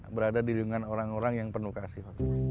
berada di dengan orang orang yang penuh kasih